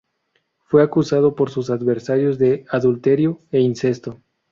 Fue acusado por sus adversarios de adulterio e incesto.